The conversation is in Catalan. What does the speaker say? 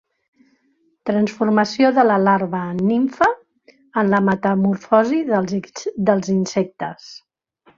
Transformació de la larva en nimfa en la metamorfosi dels insectes.